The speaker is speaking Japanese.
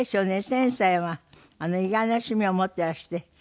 千さんは意外な趣味を持ってらして。